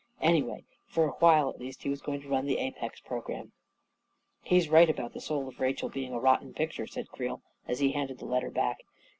Anyway, for a while, at least, he was going to run the Apex pro gram. " He's right about * The Soul of Rachel ' being a rotten picture," said Creel, as he handed the letter' back.